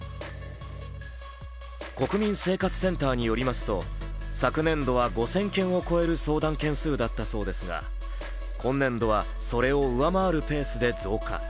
国民生活センターによりますと、昨年は５０００件を超える相談件数だったそうですが、今年度はそれを上回るペースで増加。